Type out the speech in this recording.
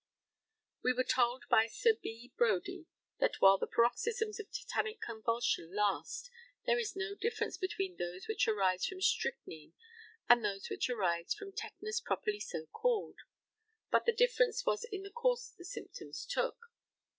We were told by Sir B. Brodie that while the paroxysms of tetanic convulsion last there is no difference between those which arise from strychnine and those which arise from tetanus properly so called, but the difference was in the course the symptoms took.